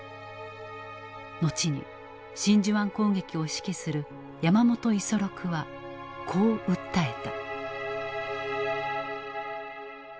後に真珠湾攻撃を指揮する山本五十六はこう訴えた。